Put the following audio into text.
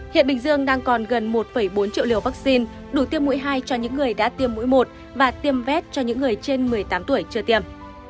hiện bình dương đang còn gần một bốn triệu liều vaccine đủ tiêm mũi hai cho những người đã tiêm mũi một và tiêm vét cho những người trên một mươi tám tuổi chưa tiêm